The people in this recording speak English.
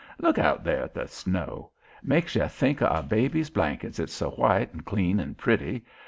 Look out there at the snow! Makes you think o' a baby's blankets, it's so white and clean and pretty.